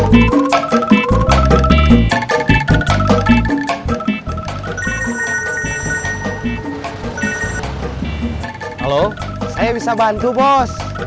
jadi bisa bantu bos